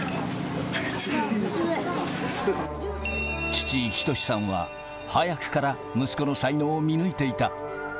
父、仁さんは、早くから息子の才能を見抜いていた。